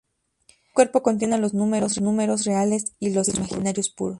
Este cuerpo contiene a los números reales y los imaginarios puros.